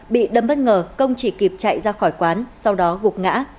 bị đâm bất ngờ công chỉ kịp chạy ra khỏi quán sau đó gục ngã